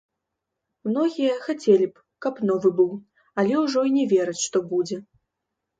Многія, хацелі б, каб новы быў, але ўжо і не вераць, што будзе.